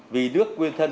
vì nước quyên thân